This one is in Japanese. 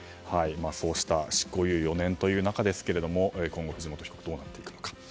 そうした執行猶予４年ということですが今後、藤本被告はどうなるか。